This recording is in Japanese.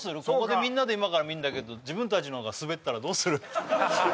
ここでみんなで今から見んだけど自分たちのがスベったらどうする？